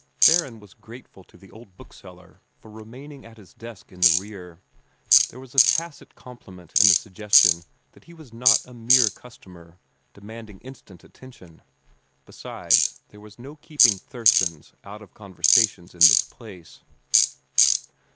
Theron was grateful to the old bookseller for remaining at his desk in the rear. There was a tacit compliment in the suggestion that he was not a mere customer, demanding instant attention. Besides, there was no keeping "Thurston's" out of conversations in this place.